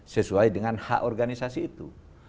sesuai dengan hak organisasi itu